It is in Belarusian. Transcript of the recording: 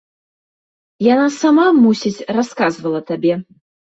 Яна сама, мусіць, расказвала табе.